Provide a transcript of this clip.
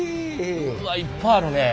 うわっいっぱいあるね。